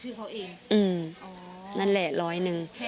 อืมนั่นแหละร้อยหนึ่ง